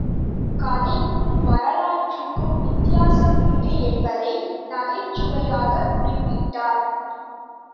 கதைக்கும் வரலாற்றுக்கும் வித்தியாசம் உண்டு என்பதை, நகைச் சுவையாகக் குறிப்பிட்டார்!